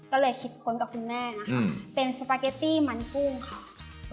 ก็เลยคิดค้นกับคุณแม่นะคะเป็นสปาเกตตี้มันกุ้งค่ะ